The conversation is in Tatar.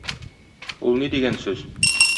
Ул ни дигән сүз?